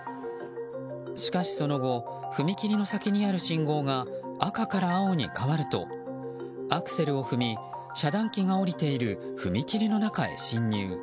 しかし、その後踏切の先にある信号が赤から青に変わるとアクセルを踏み遮断機が下りている踏切の中へ進入。